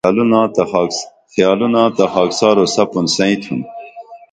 خیالونا تہ خاکسارو سپُن سئیں تُھن